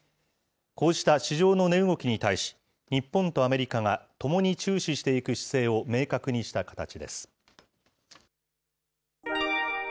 こうした市場の値動きに対し、日本とアメリカがともに注視していく姿勢を明確にした形です。